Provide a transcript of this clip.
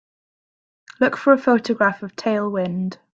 Look for a photograph of Tailwind